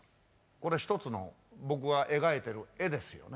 これ一つの僕が描いてる絵ですよね。